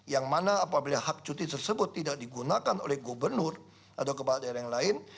yang mana apabila hak cuti tersebut tidak digunakan oleh gubernur atau kepala daerah yang lain